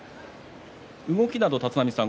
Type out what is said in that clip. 動きなど立浪さん